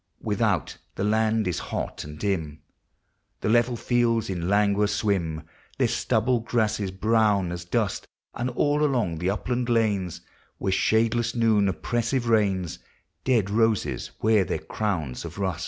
Without, the land is hot and dim; The level fields in languor swim, Their stubble grasses brown as dust; And all along the upland lanes, Where shadeless noon oppressive reigns, Dead roses wear their crowns of rust.